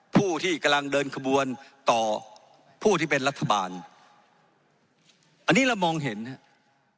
ผู้ที่กำลังเดินขบวนต่อผู้ที่เป็นรัฐบาลอันนี้เรามองเห็นนะครับ